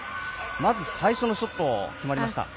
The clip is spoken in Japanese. まず最初のショット決まりました。